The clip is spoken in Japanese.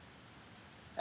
「え？」。